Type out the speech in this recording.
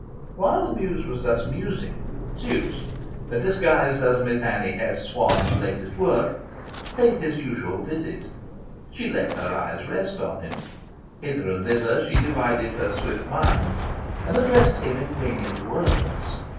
While the Muse was thus musing, Zeus (disguised as Miss Annie S. Swan's latest work) paid his usual visit. She let her eyes rest on him. Hither and thither she divided her swift mind, and addressed him in winged words.